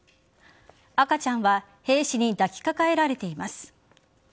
赤ちゃんは兵士に抱きかかえられています。